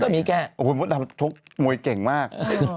มันชกมวยเก่งมาก